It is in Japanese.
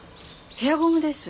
ヘアゴムです。